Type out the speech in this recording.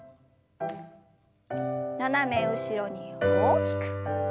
斜め後ろに大きく。